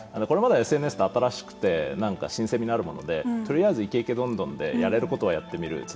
これまでＳＮＳって、新しくてなんか新鮮味のあるものでとりあえず行け行けどんどんでやれることはやってみる。